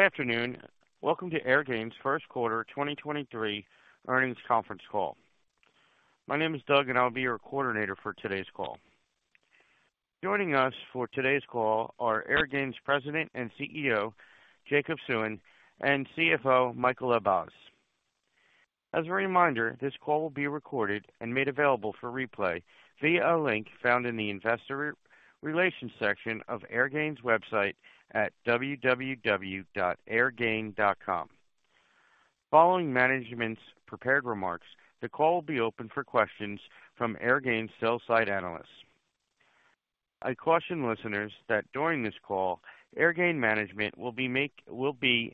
Good afternoon. Welcome to Airgain's first quarter 2023 earnings conference call. My name is Doug, and I'll be your coordinator for today's call. Joining us for today's call are Airgain's President and CEO, Jacob Suen, and CFO, Michael Elbaz. As a reminder, this call will be recorded and made available for replay via a link found in the investor relations section of Airgain's website at www.airgain.com. Following management's prepared remarks, the call will be open for questions from Airgain sell-side analysts. I caution listeners that during this call, Airgain management will be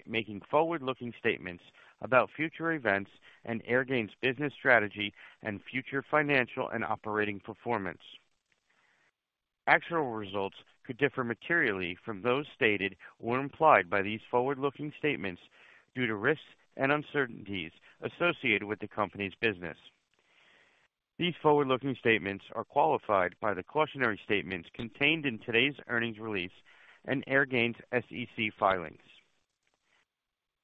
making forward-looking statements about future events and Airgain's business strategy and future financial and operating performance. Actual results could differ materially from those stated or implied by these forward-looking statements due to risks and uncertainties associated with the company's business. These forward-looking statements are qualified by the cautionary statements contained in today's earnings release and Airgain's SEC filings.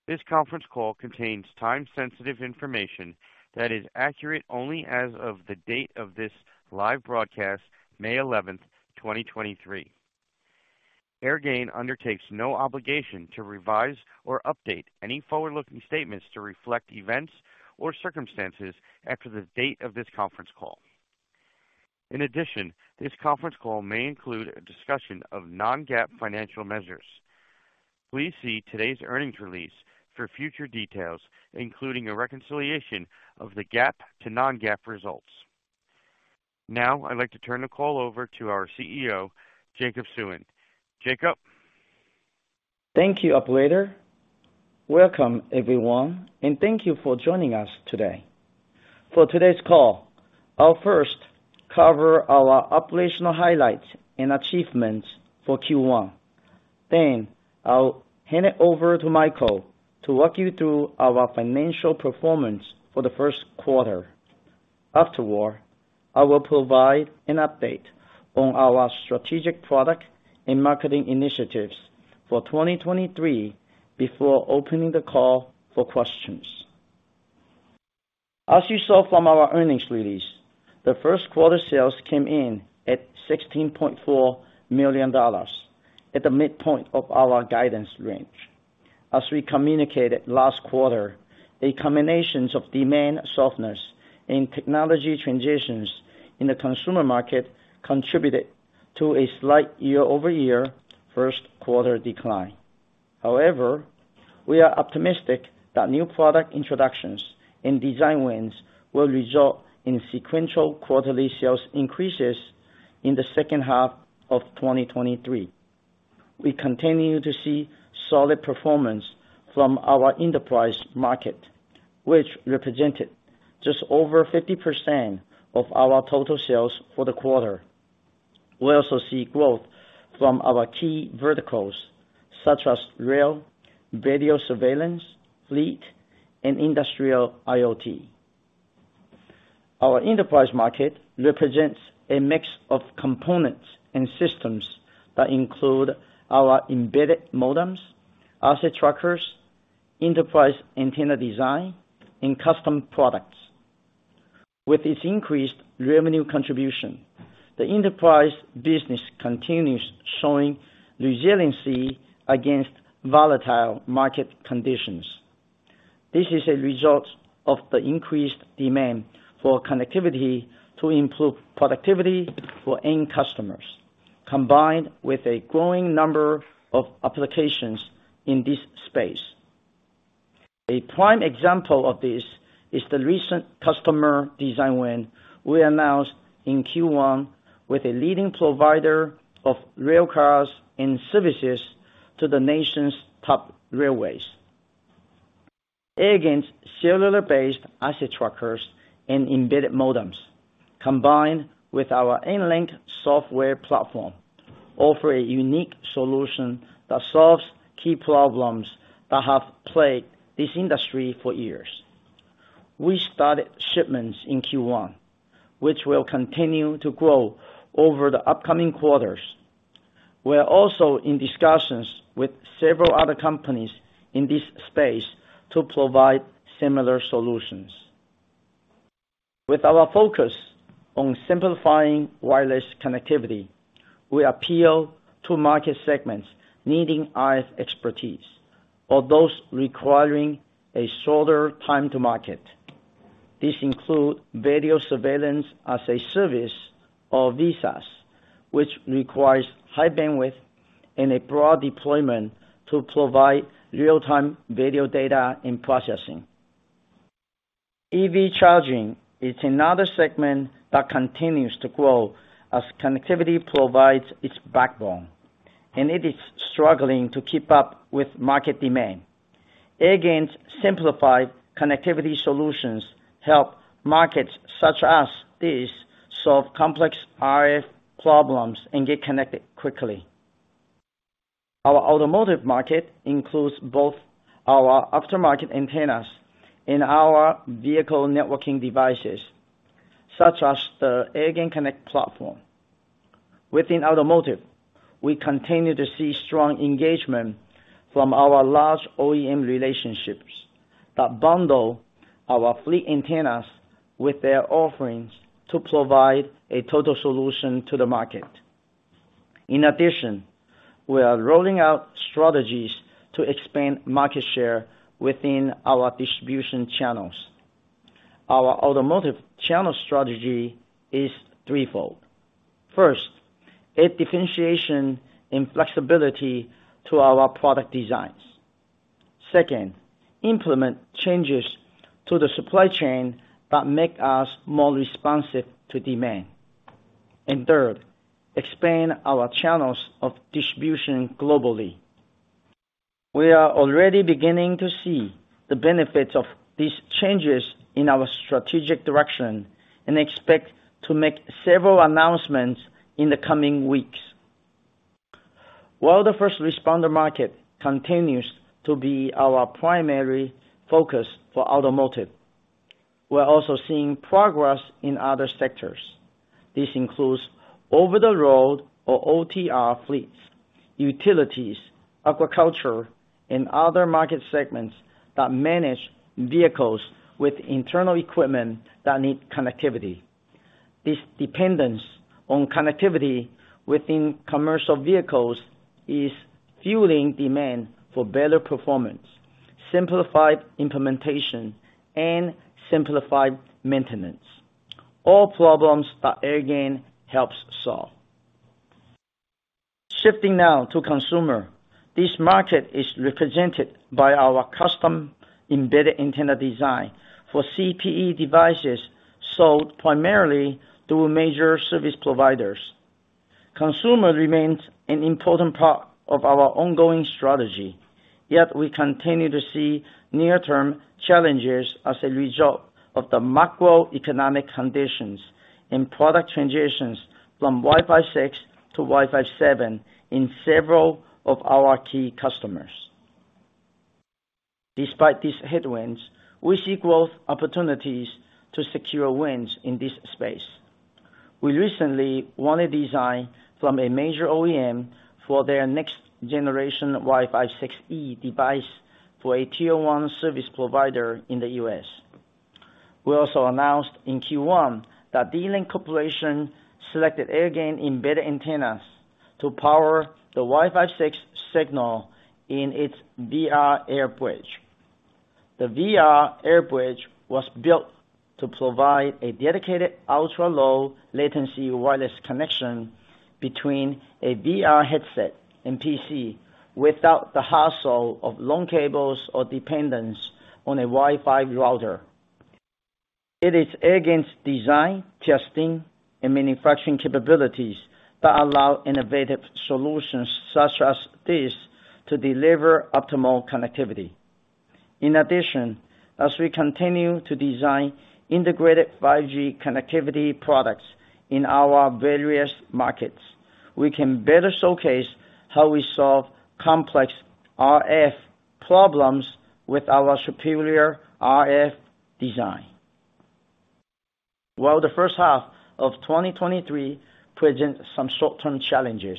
This conference call contains time-sensitive information that is accurate only as of the date of this live broadcast, May 11th, 2023. Airgain undertakes no obligation to revise or update any forward-looking statements to reflect events or circumstances after the date of this conference call. In addition, this conference call may include a discussion of non-GAAP financial measures. Please see today's earnings release for future details, including a reconciliation of the GAAP to non-GAAP results. Now, I'd like to turn the call over to our CEO, Jacob Suen. Jacob. Thank you, operator. Welcome, everyone, and thank you for joining us today. For today's call, I'll first cover our operational highlights and achievements for Q1. I'll hand it over to Michael to walk you through our financial performance for the first quarter. Afterward, I will provide an update on our strategic product and marketing initiatives for 2023 before opening the call for questions. As you saw from our earnings release, the first quarter sales came in at $16.4 million at the midpoint of our guidance range. As we communicated last quarter, a combinations of demand softness and technology transitions in the consumer market contributed to a slight year-over-year first quarter decline. However, we are optimistic that new product introductions and design wins will result in sequential quarterly sales increases in the second half of 2023. We continue to see solid performance from our enterprise market, which represented just over 50% of our total sales for the quarter. We also see growth from our key verticals such as rail, video surveillance, fleet, and industrial IoT. Our enterprise market represents a mix of components and systems that include our embedded modems, asset trackers, enterprise antenna design, and custom products. With its increased revenue contribution, the enterprise business continues showing resiliency against volatile market conditions. This is a result of the increased demand for connectivity to improve productivity for end customers, combined with a growing number of applications in this space. A prime example of this is the recent customer design win we announced in Q1 with a leading provider of rail cars and services to the nation's top railways. Airgain's cellular-based asset trackers and embedded modems, combined with our NLink software platform, offer a unique solution that solves key problems that have plagued this industry for years. We started shipments in Q1, which will continue to grow over the upcoming quarters. We're also in discussions with several other companies in this space to provide similar solutions. With our focus on simplifying wireless connectivity, we appeal to market segments needing RF expertise or those requiring a shorter time to market. These include video surveillance as a service or VSAAS, which requires high bandwidth and a broad deployment to provide real-time video data and processing. EV charging is another segment that continues to grow as connectivity provides its backbone, and it is struggling to keep up with market demand. Airgain's simplified connectivity solutions help markets such as these solve complex RF problems and get connected quickly. Our automotive market includes both our aftermarket antennas and our vehicle networking devices, such as the AirgainConnect platform. Within automotive, we continue to see strong engagement from our large OEM relationships that bundle our fleet antennas with their offerings to provide a total solution to the market. We are rolling out strategies to expand market share within our distribution channels. Our automotive channel strategy is threefold. First, a differentiation and flexibility to our product designs. Second, implement changes to the supply chain that make us more responsive to demand. Third, expand our channels of distribution globally. We are already beginning to see the benefits of these changes in our strategic direction, and expect to make several announcements in the coming weeks. While the first responder market continues to be our primary focus for automotive, we're also seeing progress in other sectors. This includes over the road or OTR fleets, utilities, agriculture, and other market segments that manage vehicles with internal equipment that need connectivity. This dependence on connectivity within commercial vehicles is fueling demand for better performance, simplified implementation, and simplified maintenance. All problems that Airgain helps solve. Shifting now to consumer. This market is represented by our custom embedded antenna design for CPE devices sold primarily through major service providers. Consumer remains an important part of our ongoing strategy, yet we continue to see near-term challenges as a result of the macroeconomic conditions and product transitions from Wi-Fi 6 to Wi-Fi 7 in several of our key customers. Despite these headwinds, we see growth opportunities to secure wins in this space. We recently won a design from a major OEM for their next generation Wi-Fi 6E device for a tier one service provider in The U.S. We also announced in Q1 that D-Link Corporation selected Airgain embedded antennas to power the Wi-Fi 6 signal in its VR Air Bridge. The VR Air Bridge was built to provide a dedicated ultra-low latency wireless connection between a VR headset and PC without the hassle of long cables or dependence on a Wi-Fi router. It is Airgain's design, testing, and manufacturing capabilities that allow innovative solutions such as this to deliver optimal connectivity. In addition, as we continue to design integrated 5G connectivity products in our various markets, we can better showcase how we solve complex RF problems with our superior RF design. While the first half of 2023 present some short-term challenges,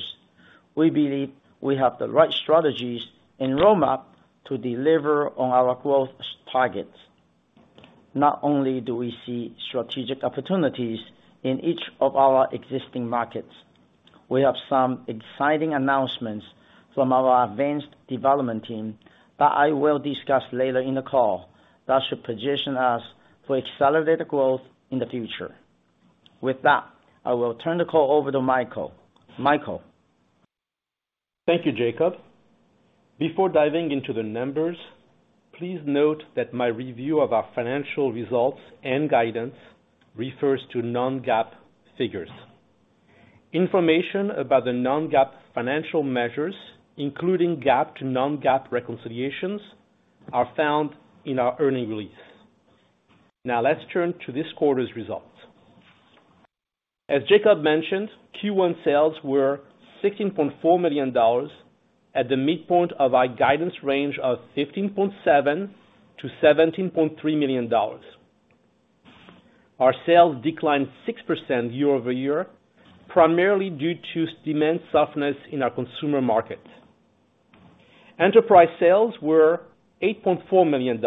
we believe we have the right strategies and roadmap to deliver on our growth targets. Not only do we see strategic opportunities in each of our existing markets, we have some exciting announcements from our advanced development team that I will discuss later in the call, that should position us for accelerated growth in the future. With that, I will turn the call over to Michael. Michael? Thank you, Jacob. Before diving into the numbers, please note that my review of our financial results and guidance refers to non-GAAP figures. Information about the non-GAAP financial measures, including GAAP to non-GAAP reconciliations, are found in our earning release. Let's turn to this quarter's results. As Jacob mentioned, Q1 sales were $16.4 million at the mid-point of our guidance range of $15.7 million-$17.3 million. Our sales declined 6% year-over-year, primarily due to demand softness in our consumer markets. Enterprise sales were $8.4 million,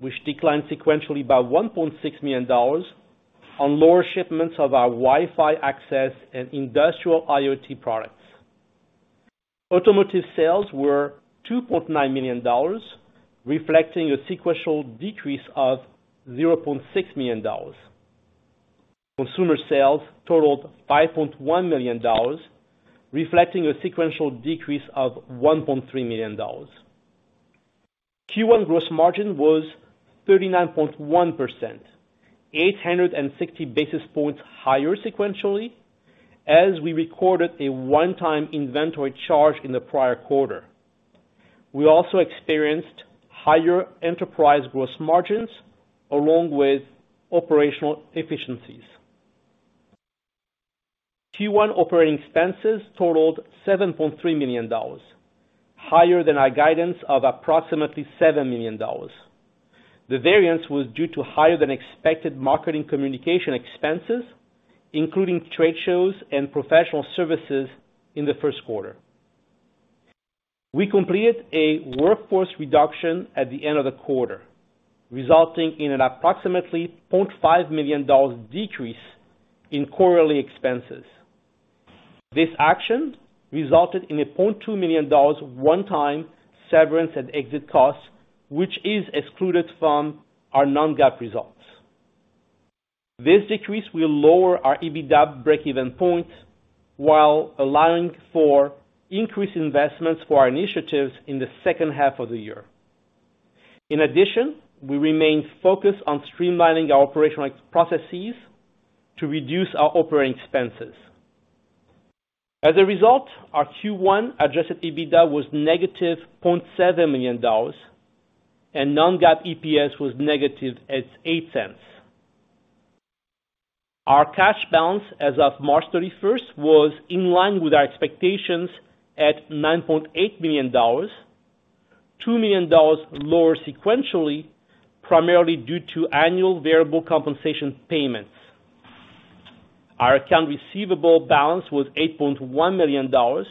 which declined sequentially by $1.6 million on lower shipments of our Wi-Fi access and industrial IoT products. Automotive sales were $2.9 million, reflecting a sequential decrease of $0.6 million. Consumer sales totaled $5.1 million, reflecting a sequential decrease of $1.3 million. Q1 gross margin was 39.1%, 860 basis points higher sequentially, as we recorded a one-time inventory charge in the prior quarter. We also experienced higher enterprise gross margins along with operational efficiencies. Q1 operating expenses totaled $7.3 million, higher than our guidance of approximately $7 million. The variance was due to higher than expected marketing communication expenses, including trade shows and professional services in the first quarter. We completed a workforce reduction at the end of the quarter, resulting in an approximately $0.5 million decrease in quarterly expenses. This action resulted in a $0.2 million one-time severance and exit costs, which is excluded from our non-GAAP results. This decrease will lower our EBITDA breakeven point while allowing for increased investments for our initiatives in the second half of the year. In addition, we remain focused on streamlining our operational processes to reduce our operating expenses. As a result, our Q1 adjusted EBITDA was negative $0.7 million and non-GAAP EPS was negative at $0.08. Our cash balance as of March 31st was in line with our expectations at $9.8 million, $2 million lower sequentially, primarily due to annual variable compensation payments. Our account receivable balance was $8.1 million, $0.6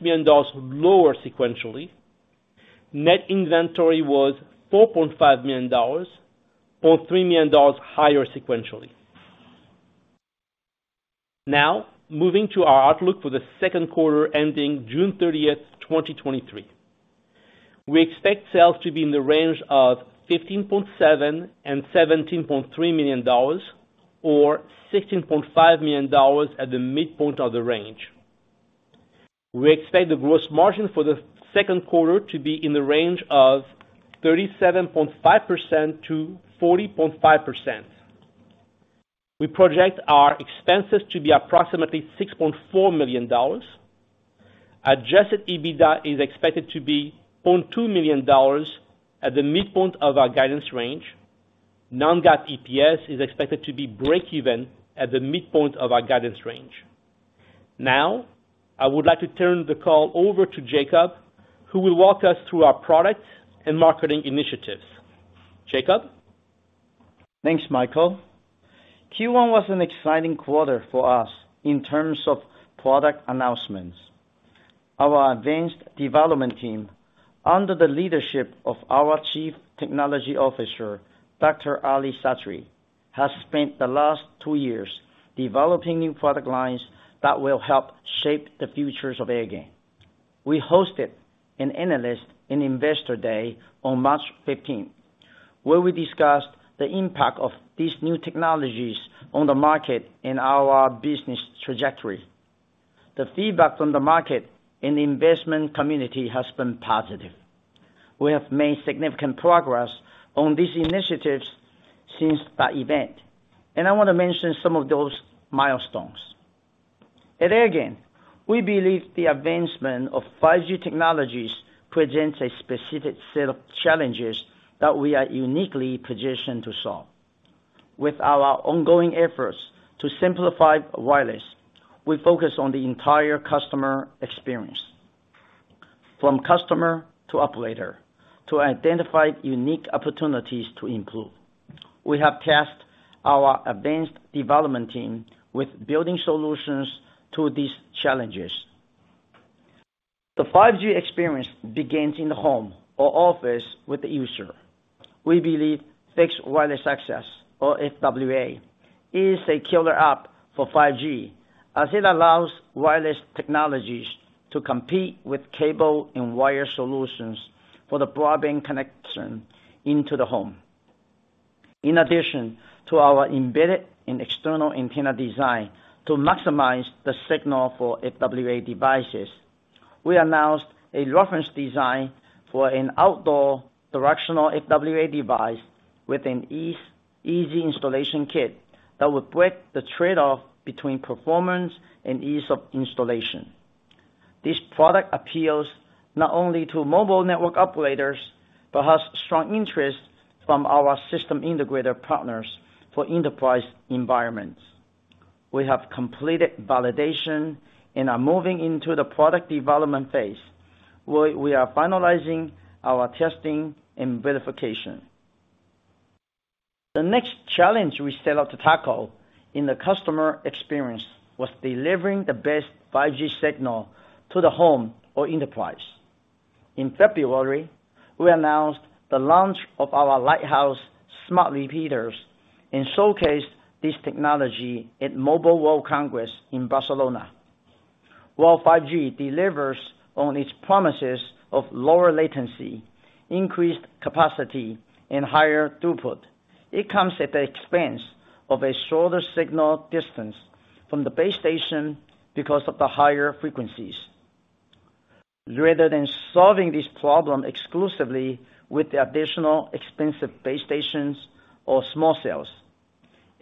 million lower sequentially. Net inventory was $4.5 million, $0.3 million higher sequentially. Now, moving to our outlook for the second quarter ending June 30th, 2023. We expect sales to be in the range of $15.7 million-$17.3 million or $16.5 million at the midpoint of the range. We expect the gross margin for the second quarter to be in the range of 37.5%-40.5%. We project our expenses to be approximately $6.4 million. Adjusted EBITDA is expected to be $0.2 million at the mid-point of our guidance range. Non-GAAP EPS is expected to be breakeven at the midpoint of our guidance range. I would like to turn the call over to Jacob, who will walk us through our products and marketing initiatives. Jacob? Thanks, Michael. Q1 was an exciting quarter for us in terms of product announcements. Our advanced development team, under the leadership of our Chief Technology Officer, Dr. Ali Sadri, has spent the last two years developing new product lines that will help shape the futures of Airgain. We hosted an analyst and investor day on March 15th, where we discussed the impact of these new technologies on the market and our business trajectory. The feedback from the market and the investment community has been positive. We have made significant progress on these initiatives since that event, I wanna mention some of those milestones. At Airgain, we believe the advancement of 5G technologies presents a specific set of challenges that we are uniquely positioned to solve. With our ongoing efforts to simplify wireless, we focus on the entire customer experience. From customer to operator to identify unique opportunities to improve. We have tasked our advanced development team with building solutions to these challenges. The 5G experience begins in the home or office with the user. We believe fixed wireless access, or FWA, is a killer app for 5G, as it allows wireless technologies to compete with cable and wire solutions for the broadband connection into the home. In addition to our embedded and external antenna design to maximize the signal for FWA devices, we announced a reference design for an outdoor directional FWA device with an easy installation kit that would break the trade-off between performance and ease of installation. This product appeals not only to mobile network operators, but has strong interest from our system integrator partners for enterprise environments. We have completed validation and are moving into the product development phase, where we are finalizing our testing and verification. The next challenge we set out to tackle in the customer experience was delivering the best 5G signal to the home or enterprise. In February, we announced the launch of our Lighthouse smart repeaters and showcased this technology at Mobile World Congress in Barcelona. While 5G delivers on its promises of lower latency, increased capacity, and higher throughput, it comes at the expense of a shorter signal distance from the base station because of the higher frequencies. Rather than solving this problem exclusively with the additional expensive base stations or small cells,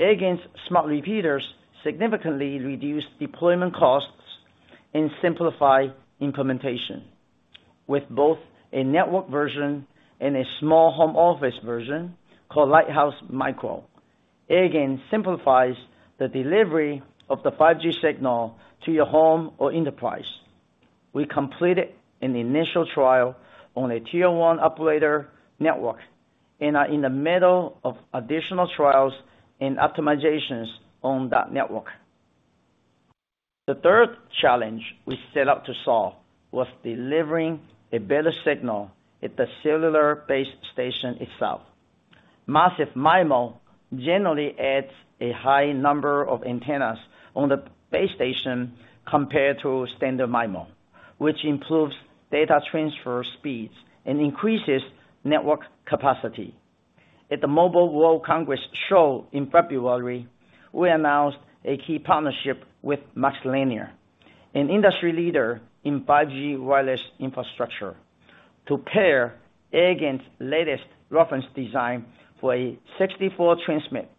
Airgain's smart repeaters significantly reduce deployment costs and simplify implementation. With both a network version and a small home office version called Lighthouse Micro, Airgain simplifies the delivery of the 5G signal to your home or enterprise. We completed an initial trial on a Tier 1 operator network and are in the middle of additional trials and optimizations on that network. The third challenge we set out to solve was delivering a better signal at the cellular base station itself. Massive MIMO generally adds a high number of antennas on the base station compared to standard MIMO, which improves data transfer speeds and increases network capacity. At the Mobile World Congress show in February, we announced a key partnership with MaxLinear, an industry leader in 5G wireless infrastructure, to pair Airgain's latest reference design for a 64 transmit,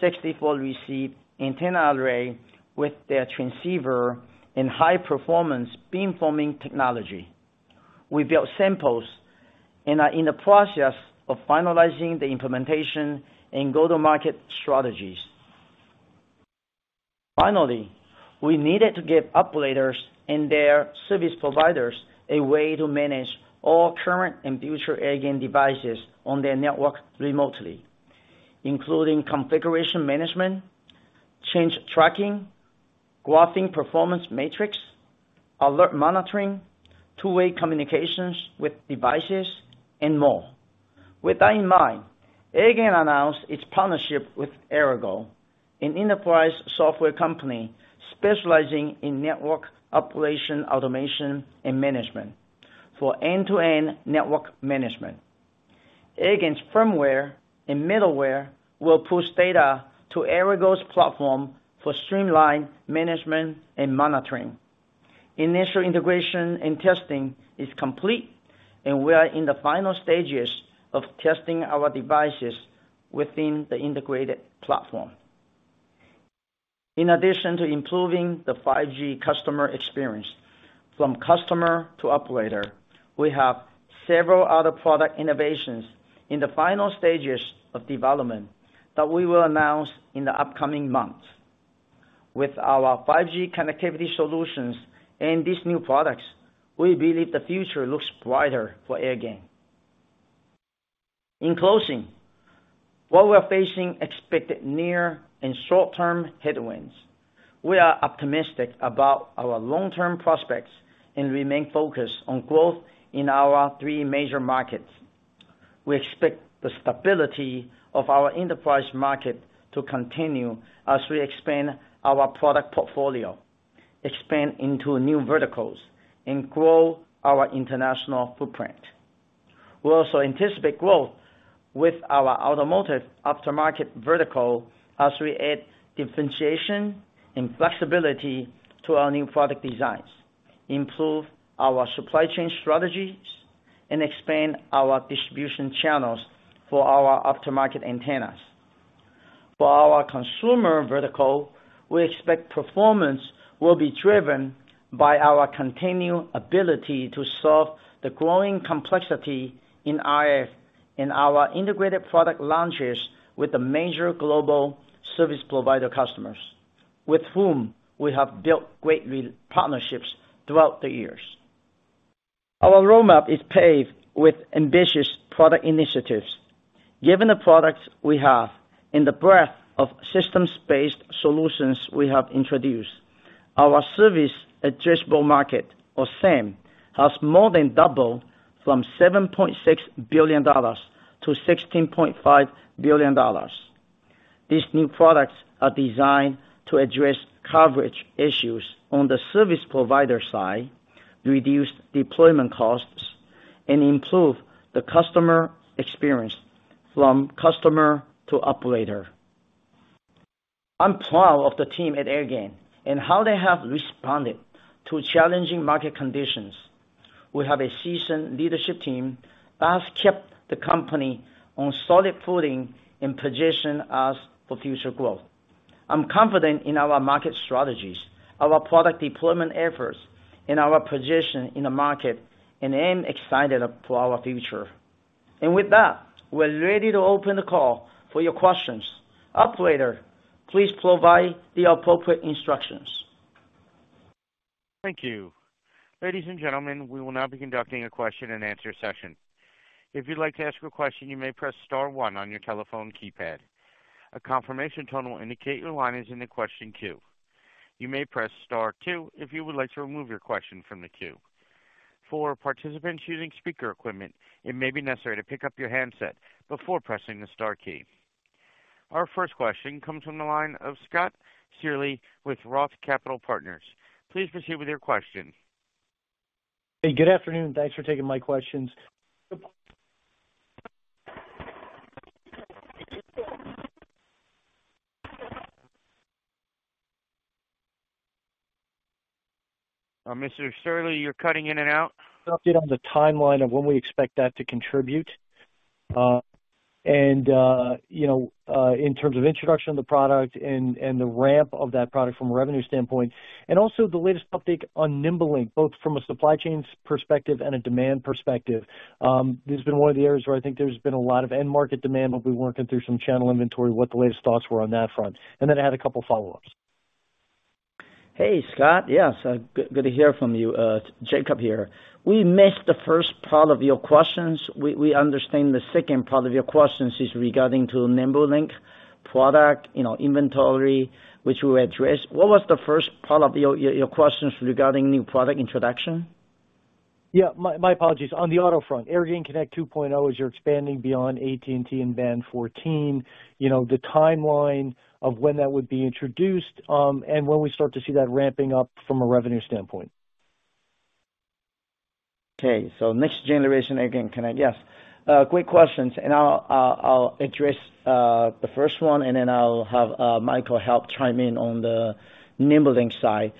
64 receive antenna array with their transceiver and high-performance beamforming technology. We built samples and are in the process of finalizing the implementation and go-to-market strategies. Finally, we needed to give operators and their service providers a way to manage all current and future Airgain devices on their network remotely, including configuration management, change tracking, graphing performance metrics, alert monitoring, two-way communications with devices, and more. With that in mind, Airgain announced its partnership with Errigal, an enterprise software company specializing in network operation automation and management for end-to-end network management. Airgain's firmware and middleware will push data to Errigal's platform for streamlined management and monitoring. Initial integration and testing is complete, and we are in the final stages of testing our devices within the integrated platform. In addition to improving the 5G customer experience from customer to operator, we have several other product innovations in the final stages of development that we will announce in the upcoming months. With our 5G connectivity solutions and these new products, we believe the future looks brighter for Airgain. In closing, while we are facing expected near and short-term headwinds, we are optimistic about our long-term prospects and remain focused on growth in our three major markets. We expect the stability of our enterprise market to continue as we expand our product portfolio, expand into new verticals, and grow our international footprint. We also anticipate growth with our automotive aftermarket vertical as we add differentiation and flexibility to our new product designs, improve our supply chain strategies, and expand our distribution channels for our aftermarket antennas. For our consumer vertical, we expect performance will be driven by our continued ability to solve the growing complexity in RF and our integrated product launches with the major global service provider customers, with whom we have built great partnerships throughout the years. Our roadmap is paved with ambitious product initiatives. Given the products we have and the breadth of systems-based solutions we have introduced, our service addressable market, or SAM, has more than doubled from $7.6 billion-$16.5 billion. These new products are designed to address coverage issues on the service provider side, reduce deployment costs, and improve the customer experience from customer to operator. I'm proud of the team at Airgain and how they have responded to challenging market conditions. We have a seasoned leadership team that has kept the company on solid footing and position us for future growth. I'm confident in our market strategies, our product deployment efforts, and our position in the market, and am excited for our future. With that, we're ready to open the call for your questions. Operator, please provide the appropriate instructions. Thank you. Ladies and gentlemen, we will now be conducting a question-and-answer session. If you'd like to ask a question, you may press star one on your telephone keypad. A confirmation tone will indicate your line is in the question queue. You may press star two if you would like to remove your question from the queue. For participants using speaker equipment, it may be necessary to pick up your handset before pressing the star key. Our first question comes from the line of Scott Searle with Roth Capital Partners. Please proceed with your question. Hey, good afternoon. Thanks for taking my questions. Mr. Searle, you're cutting in and out. An update on the timeline of when we expect that to contribute, and, you know, in terms of introduction of the product and the ramp of that product from a revenue standpoint, and also the latest update on NimbeLink, both from a supply chains perspective and a demand perspective. This has been one of the areas where I think there's been a lot of end market demand, but we're working through some channel inventory, what the latest thoughts were on that front, and then I had a couple follow-ups. Hey, Scott. Yes, good to hear from you. Jacob here. We missed the first part of your questions. We understand the second part of your questions is regarding to NimbeLink product, you know, inventory, which we addressed. What was the first part of your questions regarding new product introduction? My apologies. On the auto front, AirgainConnect 2.0, as you're expanding beyond AT&T and Band 14, you know, the timeline of when that would be introduced, and when we start to see that ramping up from a revenue standpoint. Okay. Next generation AirgainConnect. Yes. Great questions. I'll address the first one, and then I'll have Michael help chime in on the NimbeLink side.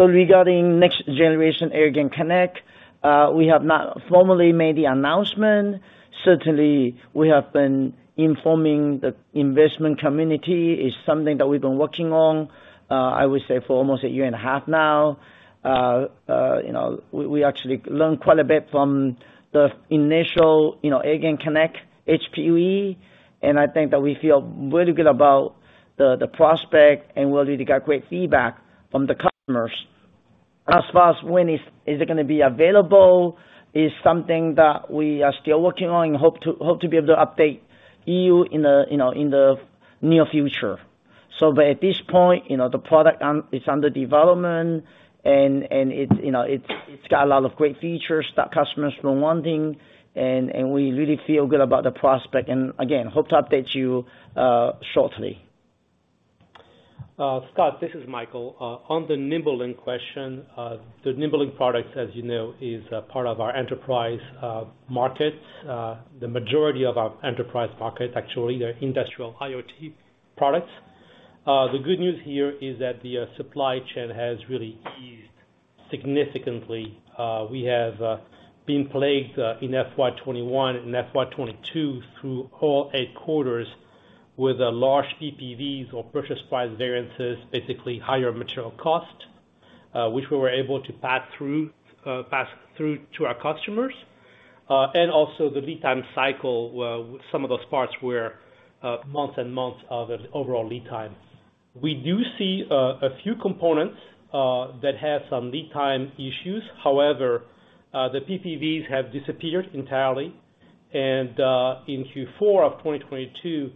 Regarding next generation AirgainConnect, we have not formally made the announcement. Certainly, we have been informing the investment community. It's something that we've been working on, I would say for almost a year and a half now. You know, we actually learned quite a bit from the initial, you know, AirgainConnect HPUE, and I think that we feel really good about the prospect and we already got great feedback from the customers. As far as when is it gonna be available is something that we are still working on and hope to be able to update you in the, you know, in the near future. At this point, you know, the product is under development and it's, you know, it's got a lot of great features that customers were wanting and we really feel good about the prospect. Again, hope to update you shortly. Scott, this is Michael. On the NimbeLink question, the NimbeLink product, as you know, is a part of our enterprise markets. The majority of our enterprise markets actually are industrial IoT products. The good news here is that the supply chain has really eased significantly. We have been plagued in FY 2021 and FY 2022 through all eight quarters with a large PPV or purchase price variances, basically higher material cost, which we were able to pass through, pass through to our customers. Also, the lead time cycle, some of those parts were months and months of overall lead time. We do see a few components that had some lead time issues. However, the PPV have disappeared entirely. In Q4 of 2022,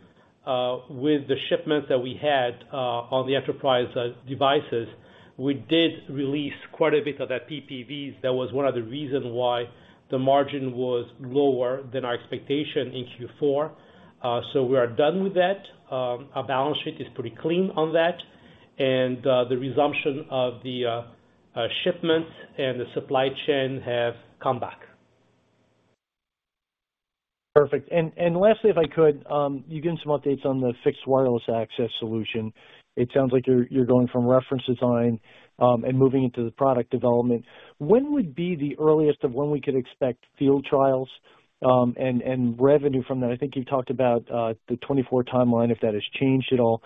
with the shipments that we had, on the enterprise devices, we did release quite a bit of that PPV. That was one of the reason why the margin was lower than our expectation in Q4. We are done with that. Our balance sheet is pretty clean on that. The resumption of the shipments and the supply chain have come back. Perfect. Lastly, if I could, you gave some updates on the fixed wireless access solution. It sounds like you're going from reference design and moving into the product development. When would be the earliest of when we could expect field trials and revenue from that? I think you talked about the 2024 timeline, if that has changed at all.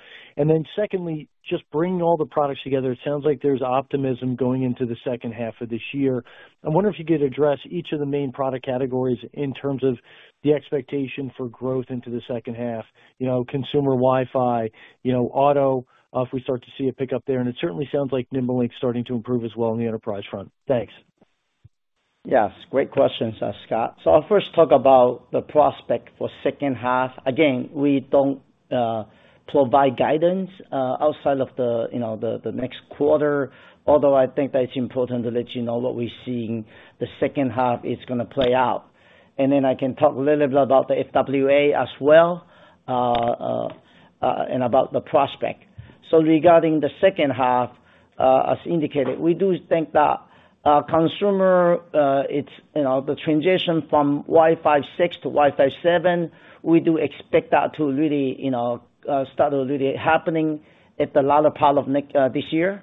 Secondly, just bringing all the products together, it sounds like there's optimism going into the second half of this year. I wonder if you could address each of the main product categories in terms of the expectation for growth into the second half, you know, consumer Wi-Fi, you know, auto, if we start to see a pickup there. It certainly sounds like NimbeLink is starting to improve as well on the enterprise front. Thanks. Yes. Great questions, Scott. I'll first talk about the prospect for second half. Again, we don't provide guidance outside of the, you know, the next quarter. Although I think that it's important to let you know what we're seeing the second half is gonna play out. I can talk a little bit about the FWA as well and about the prospect. Regarding the second half, as indicated, we do think that consumer, it's, you know, the transition from Wi-Fi 6 to Wi-Fi 7, we do expect that to really, you know, start really happening at the latter part of this year.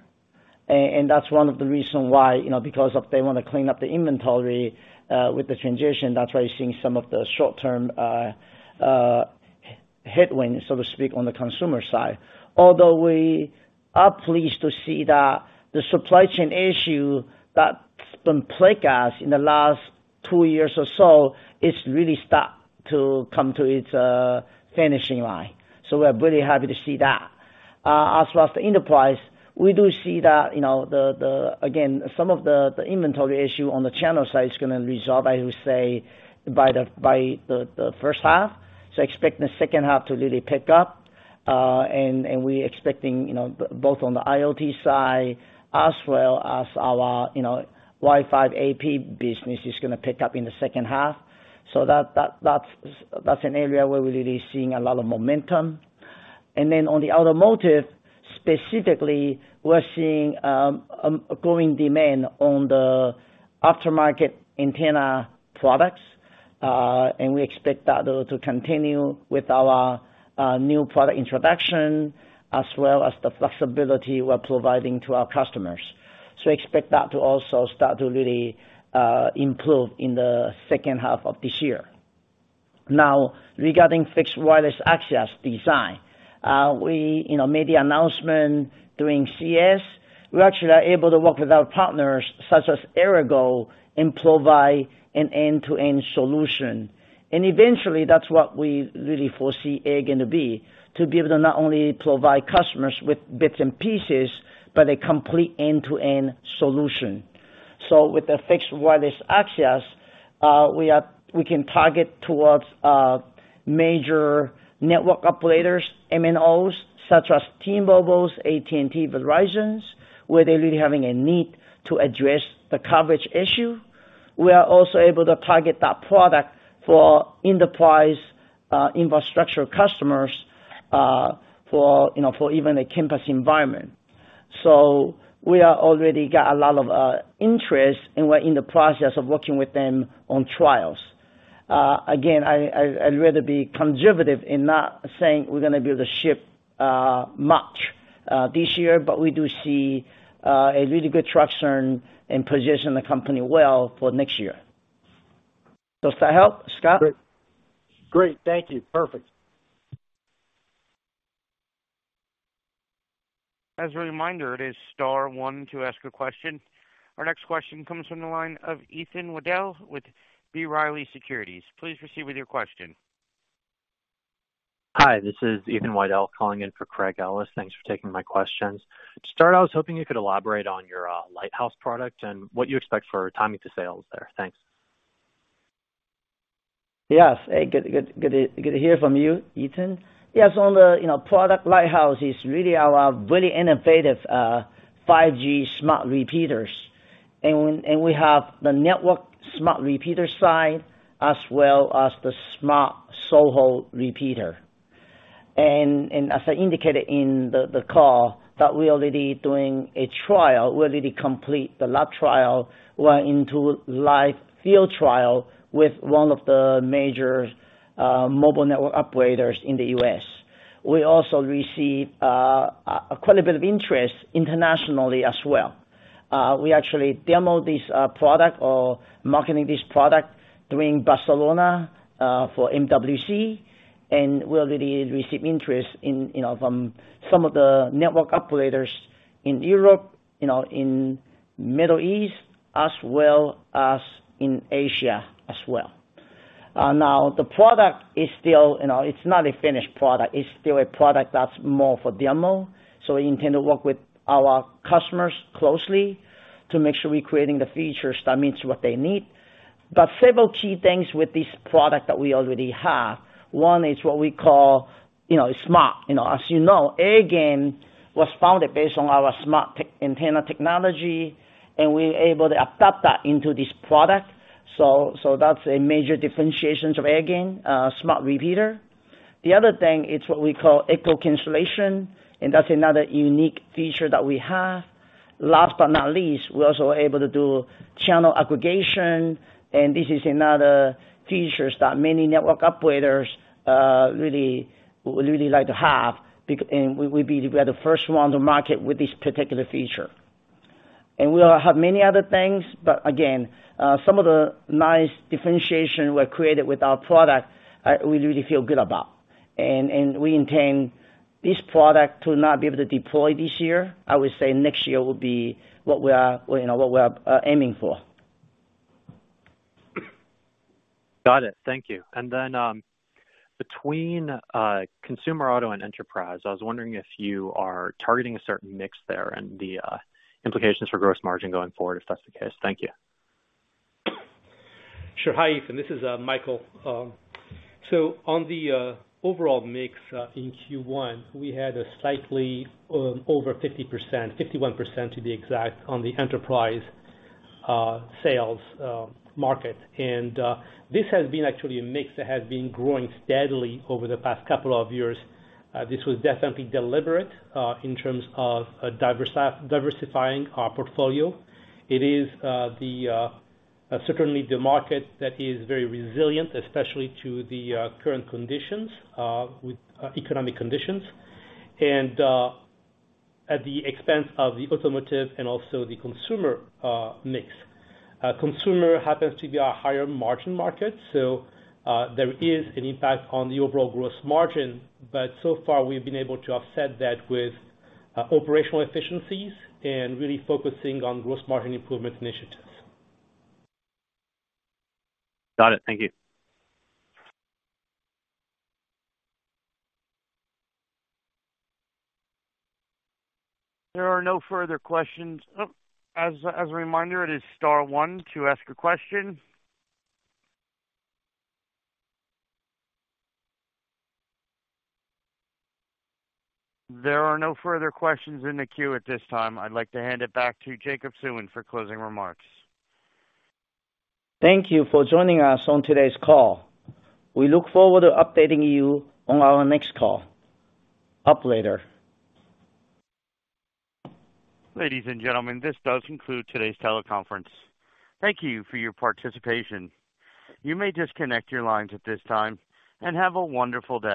And that's one of the reason why, you know, because of they wanna clean up the inventory with the transition, that's why you're seeing some of the short-term headwind, so to speak, on the consumer side. Although we are pleased to see that the supply chain issue that's been plagued us in the last two years or so, it's really start to come to its finishing line. We're very happy to see that. As far as the enterprise, we do see that, you know, the again, some of the inventory issue on the channel side is gonna resolve, I would say, by the first half. Expect the second half to really pick up. we're expecting, you know, both on the IoT side as well as our, you know, Wi-Fi AP business is gonna pick up in the second half. That's an area where we're really seeing a lot of momentum. On the automotive, specifically, we're seeing a growing demand on the aftermarket antenna products. we expect that to continue with our new product introduction as well as the flexibility we're providing to our customers. Expect that to also start to really improve in the second half of this year. Now, regarding fixed wireless access design, we, you know, made the announcement during CES. We actually are able to work with our partners such as Errigal and provide an end-to-end solution. Eventually, that's what we really foresee Airgain to be, to be able to not only provide customers with bits and pieces, but a complete end-to-end solution. With the fixed wireless access, we can target towards major network operators, MNOs, such as T-Mobile, AT&T, Verizon, where they're really having a need to address the coverage issue. We are also able to target that product for enterprise infrastructure customers, for, you know, for even a campus environment. We are already got a lot of interest, and we're in the process of working with them on trials. Again, I'd rather be conservative in not saying we're gonna be able to ship much this year, but we do see a really good traction and position the company well for next year. Does that help, Scott? Great. Thank you. Perfect. As a reminder, it is star one to ask a question. Our next question comes from the line of Ethan Widell with B. Riley Securities. Please proceed with your question. Hi, this is Ethan Widell calling in for Craig Ellis. Thanks for taking my questions. I was hoping you could elaborate on your Lighthouse product and what you expect for timing to sales there. Thanks. Yes. Good to hear from you, Ethan. On the, you know, product, Lighthouse is really our really innovative 5G smart repeaters. We have the network smart repeater side as well as the smart SOHO repeater. As I indicated in the call that we're already doing a trial. We already complete the lab trial. We're into live field trial with one of the major mobile network operators in The U.S. We also receive quite a bit of interest internationally as well. We actually demo this product or marketing this product during Barcelona for MWC. We already receive interest, you know, from some of the network operators in Europe, you know, in Middle East as well as in Asia as well. Now the product is still, you know, it's not a finished product. It's still a product that's more for demo. We intend to work with our customers closely to make sure we're creating the features that meets what they need. Several key things with this product that we already have. One is what we call, you know, smart. You know, as you know, Airgain was founded based on our smart antenna technology, and we're able to adapt that into this product. That's a major differentiations of Airgain smart repeater. The other thing, it's what we call echo cancellation, and that's another unique feature that we have. Last but not least, we're also able to do channel aggregation, and this is another features that many network operators would really like to have. We'd be the first one to market with this particular feature. We have many other things. Again, some of the nice differentiation were created with our product, we really feel good about. We intend this product to not be able to deploy this year. I would say next year will be what we are, you know, what we're aiming for. Got it. Thank you. Between consumer auto and enterprise, I was wondering if you are targeting a certain mix there and the implications for gross margin going forward, if that's the case. Thank you. Sure. Hi, Ethan, this is Michael. So on the overall mix, in Q1, we had a slightly over 50%, 51% to be exact, on the enterprise sales market. This has been actually a mix that has been growing steadily over the past couple of years. This was definitely deliberate in terms of diversifying our portfolio. It is certainly the market that is very resilient, especially to the current conditions, with economic conditions and at the expense of the automotive and also the consumer mix. Consumer happens to be a higher margin market, so there is an impact on the overall gross margin. So far, we've been able to offset that with operational efficiencies and really focusing on gross margin improvement initiatives. Got it. Thank you. There are no further questions. As a reminder, it is star one to ask a question. There are no further questions in the queue at this time. I'd like to hand it back to Jacob Suen for closing remarks. Thank you for joining us on today's call. We look forward to updating you on our next call. Operator. Ladies and gentlemen, this does conclude today's teleconference. Thank you for your participation. You may disconnect your lines at this time and have a wonderful day.